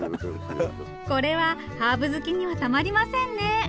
これはハーブ好きにはたまりませんね！